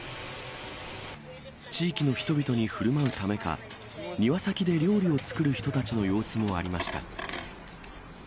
地域の人々にふるまうためか、庭先で料理を作る人たちの様子もありました。